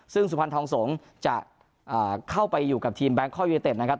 ซึ่งสุพันธุ์ทองสงก์จะเข้าไปอยู่กับทีมแบงค์คอวิเวเตตนะครับ